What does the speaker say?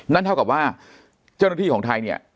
นั่นเท่ากับว่าเจ้าหน้าที่ของไทยเนี่ย